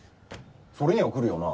それには来るよな？